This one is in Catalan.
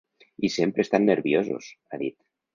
I sempre estan nerviosos, ha dit.